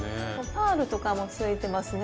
パールとかもついてますね。